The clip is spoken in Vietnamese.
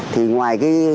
thì ngoài cái